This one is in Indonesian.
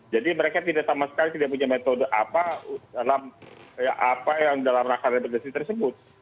jadi mereka tidak sama sekali tidak punya metode apa dalam apa yang dalam rakan rehabilitasi tersebut